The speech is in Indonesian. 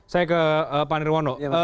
saya ke pak nirwono